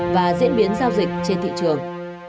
và diễn biến giao dịch trên thị trường